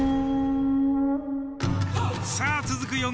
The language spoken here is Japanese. さあ続く